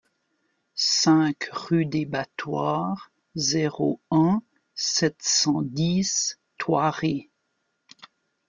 cinq rue des Battoirs, zéro un, sept cent dix, Thoiry